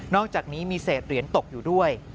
อกจากนี้มีเศษเหรียญตกอยู่ด้วย